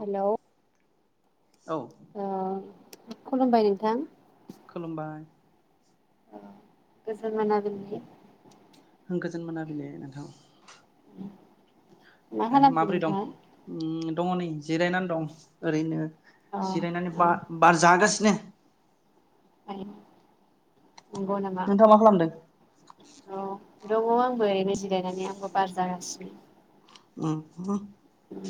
हेल' ओ औ खुलुमबाय नोंथां खुलुमबाय औ गोजीन मोनाबिलि गोजोन मोनाबिल नोंथां। मा ए खालामदों माब्रै दं नोंथाङा? दङ नै जिरायनानै दं ओरैनो अ जिरायनानै औ बा बार जागासिनो [inaudible] नंगौ नाम नोंथाङा मा खालामदों औ दंङ आंबो एरनोजिरायनानै आंबो बार जागासिनो ओ उ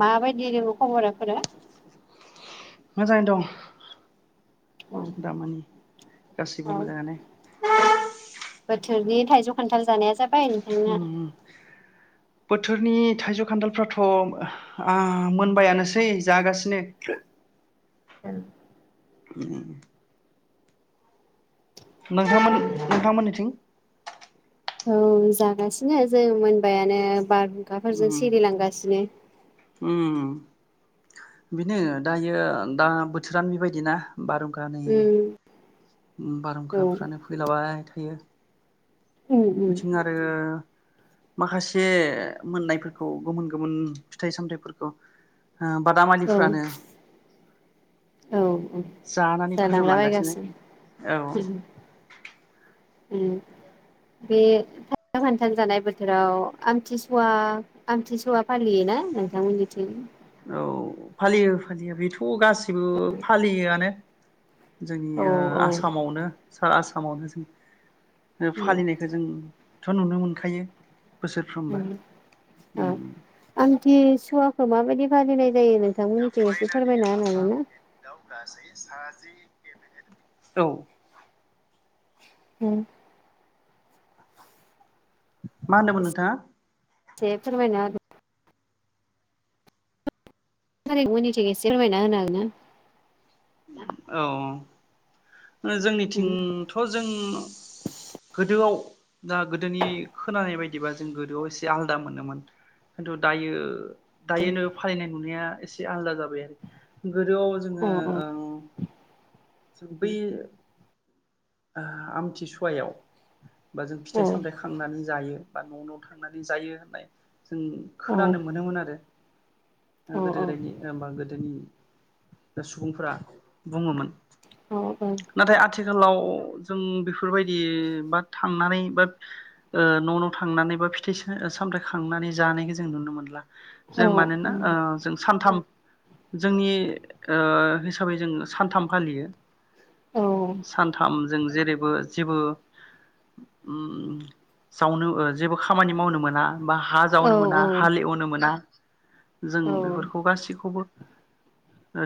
माबायदि दंङ खबराफोरा मोजांङैनो दं दामानि गासैबो औ मोजांङानो थोरनि थाइजौ खान्थाल जानाया जाबाय नोंथांना? उम बोथोरनि थाइजौ, खान्थालफ्राथ' ओ मोनबायानोसै जागासिनो ए उ नोंथांमोन नोंथांमोननिथिं औ जागासिनो जों मोनबायानो बारहुंखाफोरजों उम सिरिलांगासिनो उम बेनो दायो दा बोथोरानो बेबायदि ना बारहुंखानि उम उम औ बारहुंखाफ्रानो फैलावबाय था यो उम उम मिथिं आरो माखासे मोननायफोरखौ गोमोन गोमोन फिथाइ सामथायफोरखौ आ औ बादामालिफ्रानो औ ओ जानानै जानांला फोजोबलांगासिनो बायगासिनो औ उम उम बे खान्थाल खान्थाल जानाय बोथोराव आमथिसुवा आमथिसुवा फालियोना नोंथांमोननिथिं? औ फालियो फालियो बेथ' गाससिबो फालियोआनो। जोंनि औ ओ आसामावनो। सा आसामावनो जों ओ उम फालिनायखौ जोंथ' नुनो मोन खायो बोसोरफ्रोमबो उम थि सुवाखौ माबायदि फालिनाय जायो नोंथांमोननिथिं एसे फोरमायना होनो हागोनना? साजि केबिनेट औ उम मा होनदोंमोन नोंथाङा? जे फोरमायना होदो थारि मोननिथिं एसे फोरमायना होनो हागोन ना? दा औ ओ जोंनिथिंथ' जों गोदोआव दा गोदोनि खोनानाय बायदिबा जों गोदोआव एसे आलदा मोनोमोन खिन्थु दायो दायो नो फालिनाय नुनाया एसे आलदा जाबाय आरो उम गोदोआव जोङो औ ओं स बैयो आ आमथिसुवायाव बा जों फिथाइ औ सामथाय खांनानै जायो। बा न' न' थांनानै जायो होननाय जों औ खोनानो मोनोमोन आरो ओ औ गोदो गोदायनि ओमबा गोदोनि ओ सुबुंफोरा बुङोमोन। औ नाथाय आथ आथिखालाव जों बेफोरबायदि बा थांनानै बा न' न' थांनानै बा फिथाइ सामथायाइ खांनानै जानायखौ जों नुनो मोनला। औ जों मानोना अ जों सानथाम जोंनि हिसाबै जों सानथाम फालियो सानथाम। जों जेरैबो जेबोओ जावनो जेबो खामानि मावनो मोना। हा जावनो मोना हाल एवनो मोना। जों बेफोरखौ गासैखौबो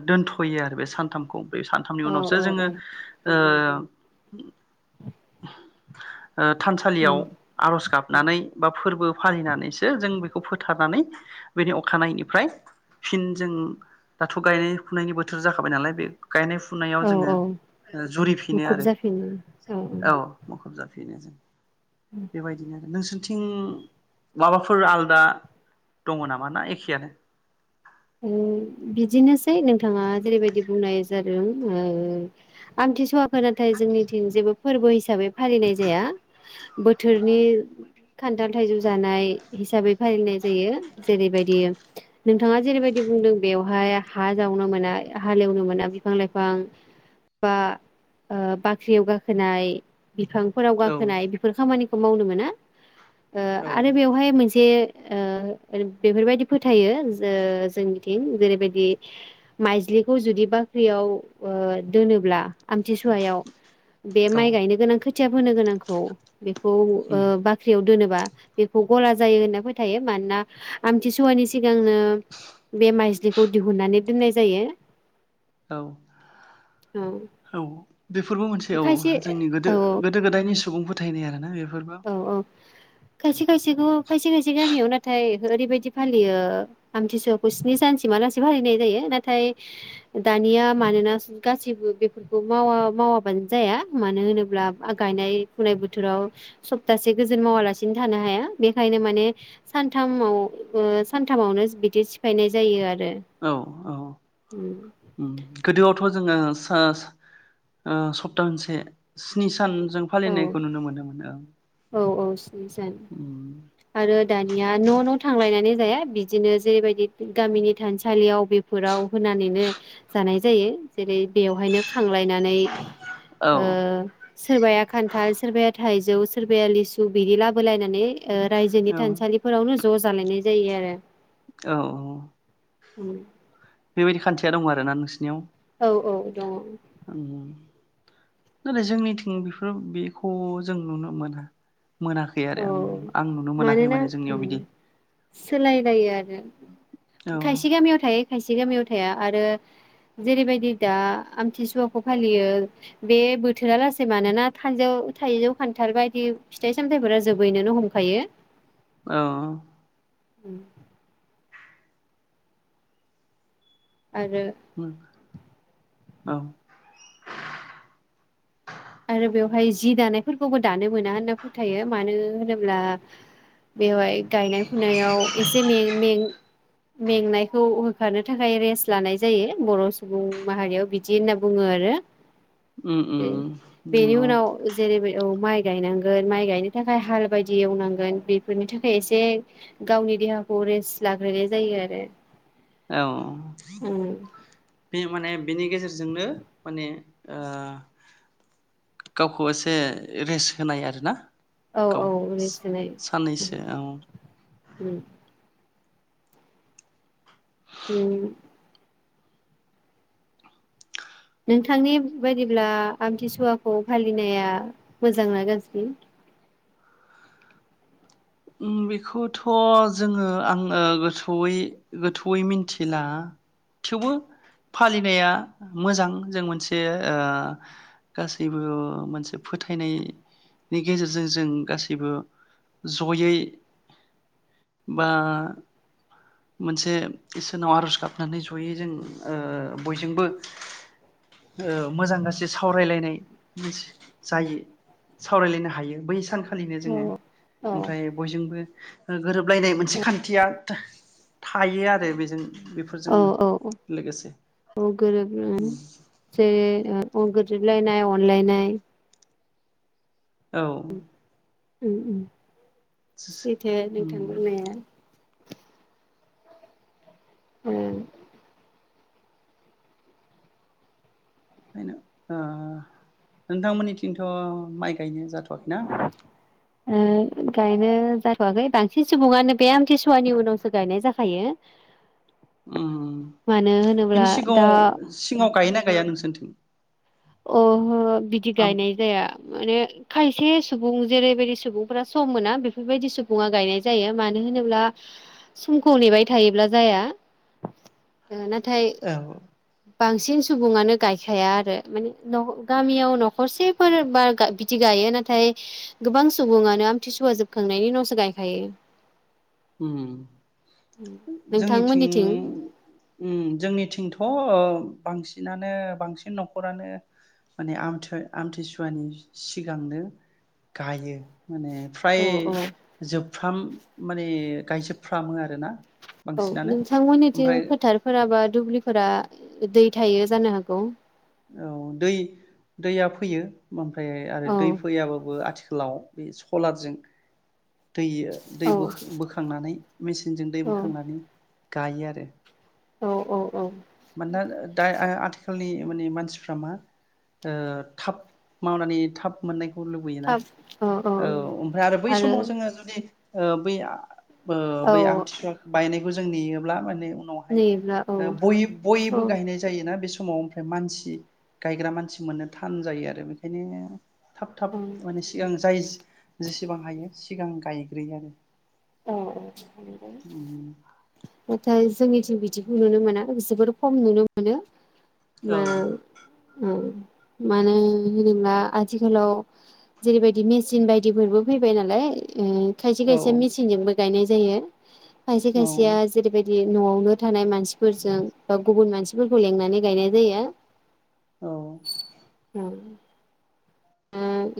दोनथ'यो आरो बे सानथामखौ सानथामनि उनावसो जोङो औ ओ उ [unintelligible] थानसालियाव आर'ज गाब नानै बा फोरबो फालिनानैसो जों बेखौ फोथारनानै बेनि अखानायैनिफ्राय फिन जों दाथ' गायनाय फुनायनि बोथोर जाखाबाय नालाय बे- गायनाय फुनायाव औ जोङो औ जुरिफिनो मुखुब आरो। जाफिनो औ मुखुब जा बेनो जों औ बेबायदिनो नोंसोर थिं माबाफोर आलादा दङ नामा ना एखेआनो? बिदिनोसै नोंथाङा जेरैबायदि बुंनाय जादों ओम आंथि सुवा नाथाय जोंनिथिं जेबो फोरबो हिसाबै फालिनाय जाया बोथोरनि खान्थाल थाइजौ जानाय हिसाबै फालिनाय जायो जेरैबायदि नोंथाङा जेरैबायदि बिदि बुंदों बेवहाय हा जावनो मोना हालेवनो मोना बिफां लाइफां बा बाख्रियाव गाखोनाय। बिफांफोराव औ गाखोनाय बेफोर खामानि मावनो मोना। ओ औ आरो बेवहाय मोनसे ओ बेफोरबायदि फोथायो। जोंनिथिं जेरैबायदि माइज्लिखौ जुदि बाख्रियाव ओ दोनोब्ला आमथिसुवायाव बे औ माइ गायनो गोनां खोथि खोथिया फोनो गोनांखौ बेखौ उम ओ बाख्रियाव दोनोबा बेखौ गला जायो होनना फोथायो मानोना आमथिसुवानि सिगांनो बे माइस्लिखौ दिहुननानै दोननाय जायो। औ औ। बेफोरबो मोनसे खायसे औ जोंनि गोदो औ गोदो गोदायनि सुबुं फोथायनाय आरोना बे औ औ। खायसे खायसेखौ खायसे खायसे गामियाव नाथाय ओरैबायदि फालियो आमथिसुवाखौ स्नि सानसिमहालासे फालिनाय जायो नाथाय दानिया मानोना गासैबो बेफोरखौ मावा मावाबानो जाया मानो होनोब्ला गायनाय फुनाय बोथोराव। सप्तासे गोजोन मावालासिनो थानो हाया बेखायनो माने सानथामाव सानथामावनो बिदि सिफायनाय जायो आरो। औ औ उम गोदोआवथ' जोङो। ओ ओ सबता मोनसे स्नि सान। सानजों औ फालिनायखौ नुनो मोनोमोन ओं। औ औ। आरो दानिया न' न' थांलायनानै जाया बिदिनो जेरैबायदि गामिनि थानसालियाव बेफोराव होनानैनो जानाय जायो जेरै बेवहायनो खांलायनानै औ सोरबाया खान्थाल सोरबाया थाइजौ। सोरबाया लिसु बिदि लाबोलायनानै रायजोनि औ थानसालिफोरावनो ज' जालायनाय जायो आरो। औ औ। उम। बेबायदि खान्थिया दं आरोना नोंसिनियाव। औ औ दङ। नै जोंनिथिं बेफोर बेखौ जों नुनो मोना। मोनाखै आरो औ आं आं नुनो मोनाखै मानोना माने जोंनियाव बिदि सोलायलायो आरो औ खायसे गामियाव थायो। खायसे गामियाव थाया आरो जेरैबायदि दा आमथिसुवाखौ फालियो बे बोथोरा लासै मानोना थाइजौ खान्थाल बायदि फिथाइ सामथायफोरा जोबहैनो हमखायो। औ [unintelligible] आरो। औ [unintelligible] आरो बेवहाय जि दानायफोरखौबो दानो मोना होनना फोथायो मानो होनोब्ला। बेवहाय गायनाय फुनायाव एसे में में मेंनायखौ। होफानो थाखाय रेस्ट लानाय जायो बर' सुबुं माहारियाव बिदि होनना बुङो आरो। उम उम बेनि नंगौ उनाव जेरै औ माइ गायनांगोन माइ गायनो थाखाय हाल बायदि एवनांगोन बेफोरनि थाखाय एसे गावनि देहाखौ रेस्ट लाग्रोनाय जायो आरो। औ। उम बे माने बेनि गेजेरजोंनो माने गावखौ एसे रेस्ट होनाय आरोना। औ गाव औ बेसेनाय। साननैसो औ होम। नोंथांनि बायदिब्ला आमथिसुवाखौ फालिनाया मोजांना गाजबो। उम बेखौथ' जोङो आङो गोथौयै गोथौयै मिथिला थेवबो फालिनाया मोजां जों मोनसे गासैबो मोनसे फोथायनायनि गेजेरजों जों गासैबो। जयै बा मोनसे इसोरनाव आर'ज गाबनानै जयै जों ओ बयजोंबो ओ मोजां गास्रि सावरायलायनाय जायो सावरायलायनो हायो बै सानखौ फालिनो औ जोङो औ ओमफ्राय बयजोंबो गोरोबलायनाय मोनसे खान्थिया थायो आरो बेजों औ बेफोरजोंनो औ लोगोसे औ गोरोबगोन जे औ गोजोन। बुलायन अनलायन। औ उम उम सैथो नोंथां ओंखायनो बुंनाया। ओं बेनो ओ नोंथांमोननिथिंथ' माइ गायनाया जाथ' आखैना? ओ गायनो जाथ'वाखै बांसिन सुबुङानो बे आमथिसुवानि उनावसो गायनाय जाखायो। ओम मानो होनोब्ला बिनि दा सिगाङाव सिगाङाव गाय ना गाया नोंसोरथिं? अहो बिदि गायनाय जाया माने खायसे सुबुं जेरैबायदि सुबुंफोरा सम मोना बेफोरबायदि सुबुङा गायनाय जायो मानो होनोब्ला समखौ नेबाय थायोब्ला जाया। नाथाय औ बांसिन सुबुंङानो गायखाया आरो माने गामियाव न'खरसेफोर बा बिदि गायो नाथाय गोबां सुबुंङानो आमथिसुवा जोबखांनायनि उनावसो गायखायो। ओम जोंनिथिं नोंथांमोननिथिं ओम जोंनिथिंथ' अ बांसिनानो बांसिन न'खरानो माने आमथि आमथिसुवानि सिगांनो गायो। माने फ्राय अ अ जोबफ्राम माने गायजोबफ्रामो आरो ना। औ नोंथांमोननिथि फोथारफोराबा दुब्लि फोर दै थायो जानो हागौ। औ दै दैया फैयो। ओमफ्राय आरो औ दै फैयाबाबो आथिखाल लाव बे सलारजों दै दै औ बोखांनानै मेसिनजों दै औ बोखांनानै गायो आरो औ औ औ मानोना दा आ आथिखालनि माने मानसि मानसिफोरा मा ओ थाब मावनानै थाब मोननाय। लुबैना औ ओमफ्राय आरो बै समाव जोंङो जुदि औ बै [unintelligible] ओ औ बै आमथिफुवा बायनायखौ जों नेयोब्ला माने उनावहाय नेयोब्ला औ बयबो औ गायनाय जायोना बे समाव ओमफ्राय मानसि गायग्रा मानसि मोननो थान जायो आरो बेखायनो थाब थाब औ माने सिगां जाय जेसेबां हायो सिगां गायग्रोयो आरो औ औ फोथाय जोंनिथिं बिदिखौ नुनो मोना जोबोर खम नुनो मोनो औ मा उम मानो होनोब्ला आथिखालाव जेरैबायदि मेचिन बायदिफोरबो फैबाय नालाय ओ खायसे औ खायसे मिथि जोंबो गायनाय जायो खायसे खायसेया जेरैबायदि बि नआवनो थानाय मानसिफोरजों बा गुबुन मानसिफोरखौ लिंनानै गायनाय जायो औ [unintelligible] उम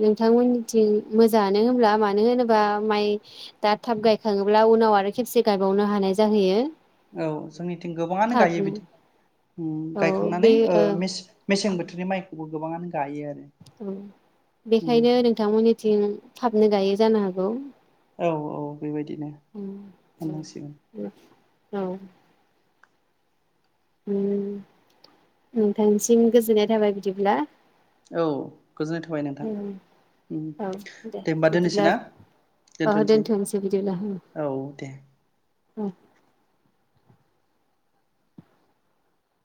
नोंथांमोननिथिं मोजांङानो होनब्ला मानो होनोबा माइ दा थाब गायखांङोब्ला उनाव आरो खेबसे गायबावनो हानाय जाहैयो औ जोंनिथिं गोबांङानो गायो थाबनो बिदि। ओ औ बे गायखांनानै ओ मेस-मेसें बोथोरनि माइ। गोबांङानो। औ बेखायनो नोंथांमोननिथिं। थाबनो गायो जानो हागौ। औ औ बेबायदिनो मोननांसिगोन। औ। [unintelligible] नोंथांसिम गोजोननाय थाबाय बिदिब्ला। औ गोजोननाय थाबाय नोंथां ओ औ दे होमबा बिदिब्ला दोननोसै ना दोनथ'सै दोनथ'नोसै औ दे। ओ। [inaudible]